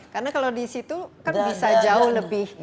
karena kalau di situ kan bisa jauh lebih independen